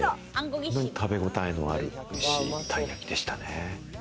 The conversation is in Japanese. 本当に食べごたえのあるおいしいたい焼きでしたね。